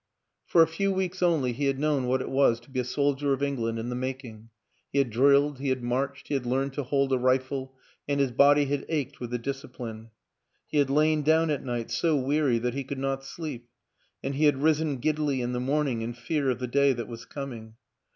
For a few weeks only he had known what it was to be a soldier of England in the making; he had drilled, he had marched, he had learned to hold a rifle and his body had ached with the discipline. He had lain down at night so weary that he could not sleep, and he had risen giddily in the morning in fear of the day that was coming.